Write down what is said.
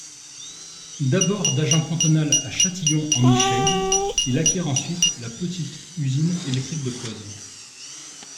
D'abord d'agent cantonal à Châtillon-en-Michaille, il acquiert ensuite la petite usine électrique de Coz.